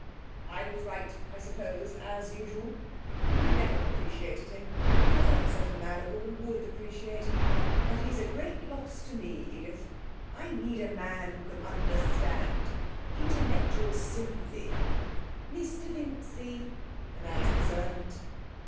'I was right, I suppose, as usual. You never appreciated him; he was not the sort of man a woman would appreciate ... But he's a great loss to me, Edith. I need a man who can understand Intellectual sympathy ''Mr Vincy!' announced the servant.